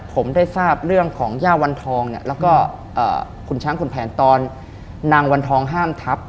ผมได้ทราบเรื่องของย่าวันทองเนี่ยแล้วก็คุณช้างคุณแผนตอนนางวันทองห้ามทับ